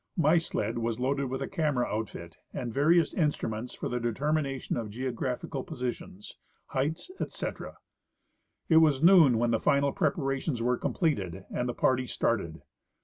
My sled was loaded with a camera outfit and various instruments for the determination of geographical positions, heights, etc. It was noon when the final preparations were completed and the party started.